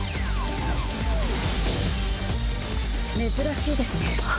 珍しいですね。